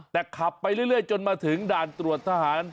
แต่ขับไปเรื่อยจนมาถึงด่านตรวจทหาร